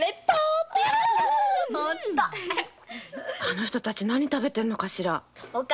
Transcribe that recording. あの人たち何食べてるのかしら。